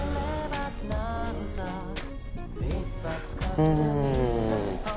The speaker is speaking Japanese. うん。